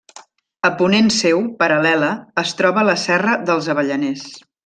A ponent seu, paral·lela, es troba la Serra dels Avellaners.